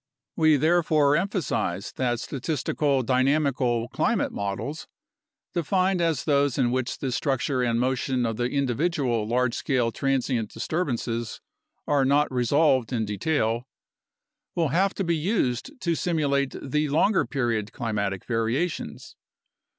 We therefore emphasize that statistical dynamical 86 UNDERSTANDING CLIMATIC CHANGE climate models (defined as those in which the structure and motion of the individual large scale transient disturbances are not resolved in detail) will have to be used to simulate the longer period climatic variations.